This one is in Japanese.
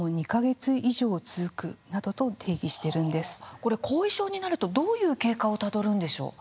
これ後遺症になるとどういう経過をたどるんでしょう？